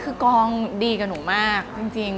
คุณกอล์งดีกว่านู่มากจริง